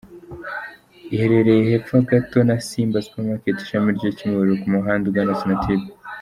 Iherereye hepfo gato na Simba Supermarket, Ishami ryo ku Kimihurura ku muhanda ugana Sonatubes.